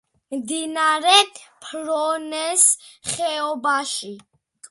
მდინარე ფრონეს ხეობაში.